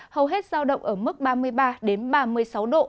hầu hết giao động ở mức ba mươi ba ba mươi sáu độ